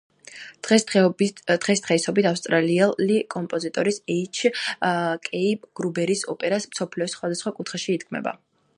დღეს დღეობით ავსტრიელი კომპოზიტორის, ეიჩ კეი გრუბერის ოპერა მსოფლიოს სხვადასხვა კუთხეში იდგმება.